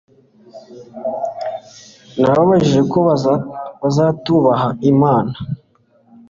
Nabajije ko bazubaha Imana